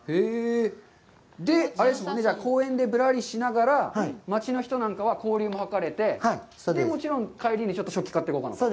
公園でぶらりしながら、町の人なんかは交流もはかれて、もちろん、帰りに食器を買っていこうかなと。